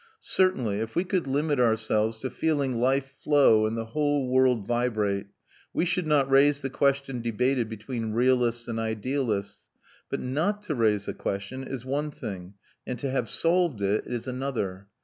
Certainly, if we could limit ourselves to feeling life flow and the whole world vibrate, we should not raise the question debated between realists and idealists; but not to raise a question is one thing and to have solved it is another.